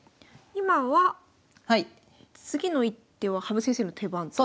今は次の一手は羽生先生の手番と。